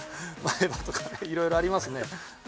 いろいろありますね。